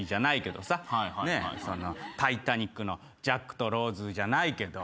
『タイタニック』のジャックとローズじゃないけど。